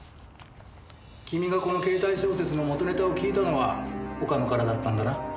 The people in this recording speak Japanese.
君がこのケータイ小説の元ネタを聞いたのは岡野からだったんだな？